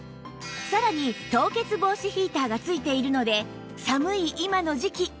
さらに凍結防止ヒーターが付いているので寒い今の時期